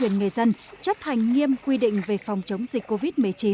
quyền người dân chấp hành nghiêm quy định về phòng chống dịch covid một mươi chín